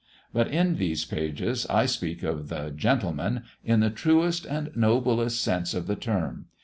But in these pages I speak of the "Gentleman" in the truest and noblest sense of the term.